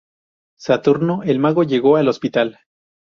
Saturno el Mago llego al hospital.